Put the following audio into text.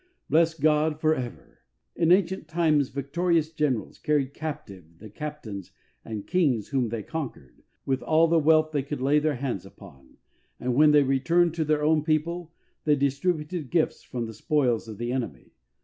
Bless God for ever ! In ancient times victorious gpnerals carried captive PRACTICAL LESSONS OF THE RESURRECTION. 97 the captains and kings whom they conquered, with all the wealth they could lay their hands upon, and when they returned to their own people, they distributed gifts from the spoils of the enemy.